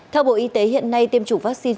theo bộ y tế hiện nay tiêm chủng vaccine